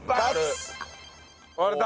割れた。